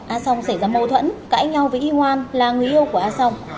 a song xảy ra mâu thuẫn cãi nhau với y ngoan là người yêu của a song